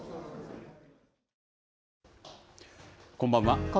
こんばんは。